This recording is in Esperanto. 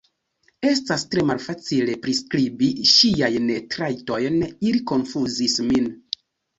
Estas tre malfacile priskribi ŝiajn trajtojn, ili konfuzis min.